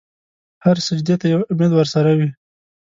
هر سجدې ته یو امید ورسره وي.